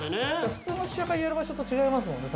◆普通の試写会をやる場所と違いますもんね。